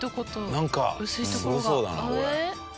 なんかすごそうだなこれ。